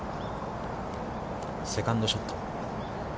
セカンドショット。